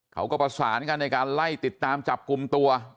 เขาก็ประสานกันในการไล่ติดตามจับกลุ่มตัว